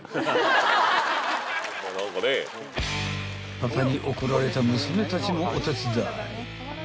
［パパに怒られた娘たちもお手伝い］